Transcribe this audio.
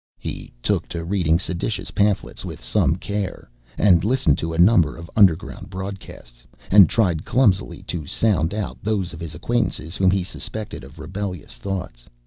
He took to reading seditious pamphlets with some care, and listened to a number of underground broadcasts, and tried clumsily to sound out those of his acquaintances whom he suspected of rebellious thoughts.